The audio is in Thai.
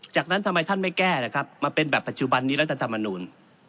จากนั้นทำไมท่านไม่แก้นะครับมาเป็นแบบปัจจุบันนี้รัฐธรรมนูล